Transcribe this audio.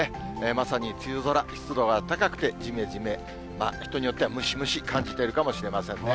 まさに梅雨空、湿度が高くてじめじめ、人によってはムシムシ感じてるかもしれませんね。